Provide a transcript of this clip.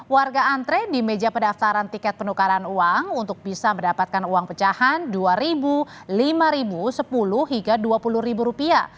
warga antre di meja pendaftaran tiket penukaran uang untuk bisa mendapatkan uang pecahan rp dua lima sepuluh hingga dua puluh rupiah